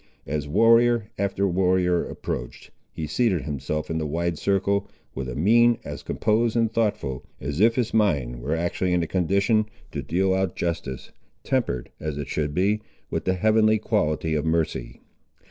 As warrior after warrior approached, he seated himself in the wide circle, with a mien as composed and thoughtful, as if his mind were actually in a condition to deal out justice, tempered, as it should be, with the heavenly quality of mercy.